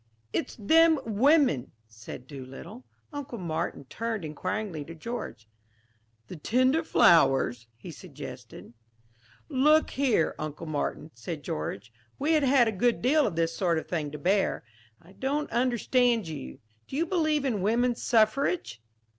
"It's them women," said Doolittle. Uncle Martin turned inquiringly to George: "The tender flowers?" he suggested. "Look here, Uncle Martin," said George, who had had a good deal of this sort of thing to bear, "I don't understand you. Do you believe in woman suffrage?"